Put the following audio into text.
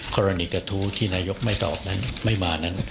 กระทู้ที่นายกไม่ตอบนั้นไม่มานั้น